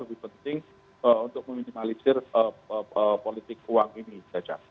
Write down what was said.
lebih penting untuk meminimalisir politik uang ini caca